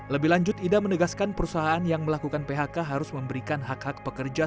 lebih lanjut ida menegaskan perusahaan yang melakukan phk harus memberikan hak hak pekerja